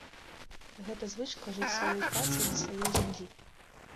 Гэта звычка жыць сваёй працай на сваёй зямлі.